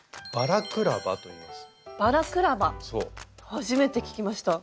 初めて聞きました。